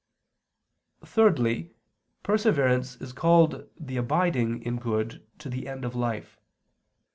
Thirdly, perseverance is called the abiding in good to the end of life.